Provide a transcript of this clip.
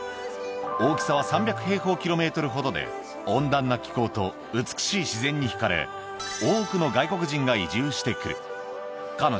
大きさは３００平方キロメートルほどで、温暖な気候と美しい自然にひかれ、多くの外国人が移住してくる。